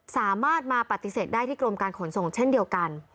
สามารถมาปฏิเสธได้ที่กรมการขนส่งเช่นเดียวกัน